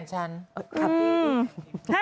อะไรนะคุณแม่